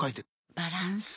バランス。